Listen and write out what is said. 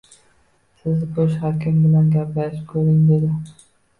Siz bosh hakim bilan gaplashib ko`ring, dedi